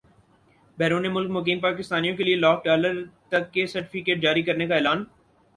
بیرون ملک مقیم پاکستانیوں کیلئے لاکھ ڈالر تک کے سرٹفکیٹ جاری کرنے کا اعلان